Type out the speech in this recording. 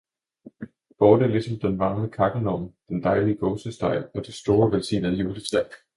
borte ligesom den varme kakkelovn, den dejlige gåsesteg og det store velsignede juletræ!